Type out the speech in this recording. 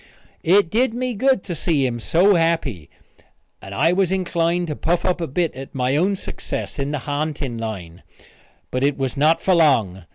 It did me good to see him so happy and I was inclined to puff up a bit at my own success in the ha'nting line. But it was not for long.